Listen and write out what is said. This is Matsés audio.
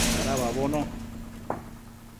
Dada uabono